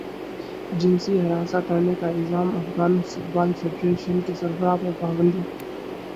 جنسی ہراساں کرنے کا الزام افغان فٹبال فیڈریشن کے سربراہ پر پابندی